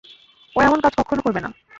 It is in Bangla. ও এমন কাজ কক্ষনো করবে না।